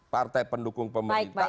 partai pendukung pemerintah